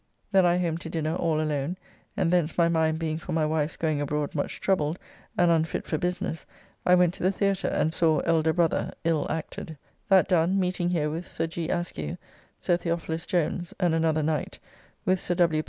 Then I home to dinner all alone, and thence my mind being for my wife's going abroad much troubled and unfit for business, I went to the Theatre, and saw "Elder Brother" ill acted; that done, meeting here with Sir G. Askew, Sir Theophilus Jones, and another Knight, with Sir W.